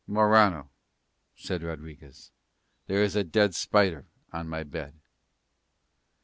"Morano," said Rodriguez, "there is a dead spider on my bed."